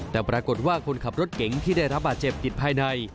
แต่ปรากฏว่าคนขับรถเก๋งที่ได้รับบาดเจ็บติดภายใน